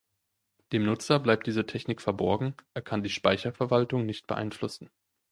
Dem Nutzer bleibt diese Technik verborgen, er kann die Speicherverwaltung nicht beeinflussen.